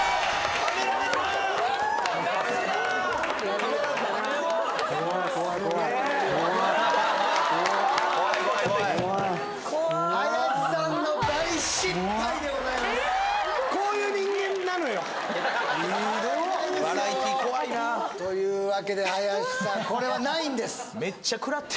バラエティー怖いなあというわけで林さんこれはないんです